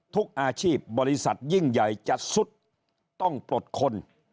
ทุกอาชีพบริษัทยิ่งใหญ่จะสุดต้องปลดคน